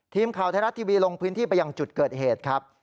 ทีมข่าวไทยรัฐทีวีลงพื้นที่ไปยังจุดเกิดเหตุครับ